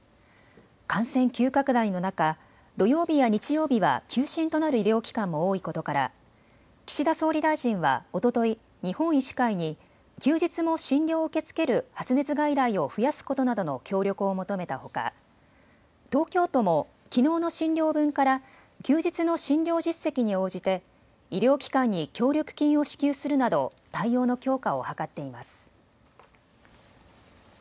感染急拡大の中、土曜日や日曜日は休診となる医療機関も多いことから岸田総理大臣はおととい、日本医師会に休日も診療を受け付ける発熱外来を増やすことなどの協力を求めたほか東京都もきのうの診療分から休日の診療実績に応じて医療機関に協力金を支給するなど対応の強化を図っています。